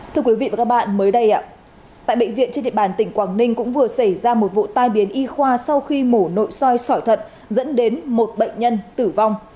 thưa quý vị và các bạn mới đây tại bệnh viện trên địa bàn tỉnh quảng ninh cũng vừa xảy ra một vụ tai biến y khoa sau khi mổ nội soi sỏi thận dẫn đến một bệnh nhân tử vong